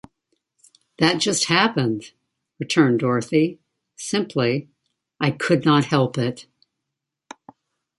"That just happened," returned Dorothy, simply; "I could not help it."